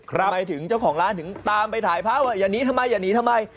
ทำไมถึงเจ้าของร้านถึงตามไปถ่ายพระว่าอย่าหนีทำไมอย่าหนีทำไม